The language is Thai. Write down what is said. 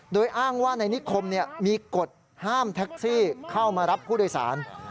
โดยอ้างว่าในนิคมมีกฎห้ามแท็กซี่เข้ามารับผู้โดยสาร